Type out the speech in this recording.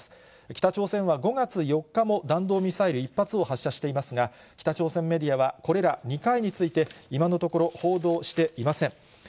北朝鮮は５月４日も弾道ミサイル１発を発射していますが、北朝鮮メディアは、これら２回について、今のところ、報道していません。